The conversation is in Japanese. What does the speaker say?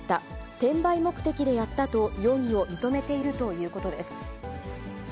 転売目的でやったと、容疑を認めているということです。